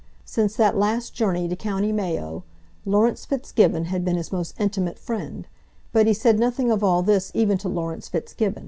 Since that last journey to county Mayo, Laurence Fitzgibbon had been his most intimate friend, but he said nothing of all this even to Laurence Fitzgibbon.